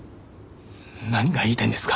何が言いたいんですか？